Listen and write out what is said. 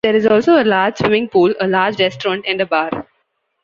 There is also a large swimming pool, a large restaurant and bar.